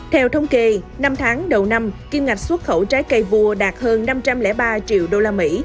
theo thống kê năm tháng đầu năm kim ngạch xuất khẩu trái cây vua đạt hơn năm trăm linh ba triệu đô la mỹ